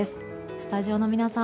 スタジオの皆さん